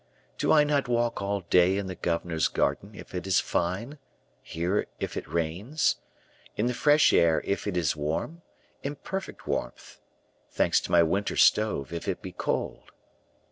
Do I not walk all day in the governor's garden if it is fine here if it rains? in the fresh air if it is warm; in perfect warmth, thanks to my winter stove, if it be cold?